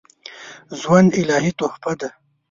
ژوند الهي تحفه ده